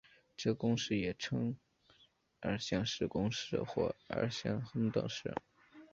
这个公式也称二项式公式或二项恒等式。